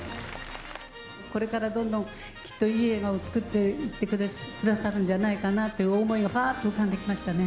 これからどんどんきっといい映画を作っていってくださるんじゃないかなっていう思いが、ふわーっと浮かんできましたね。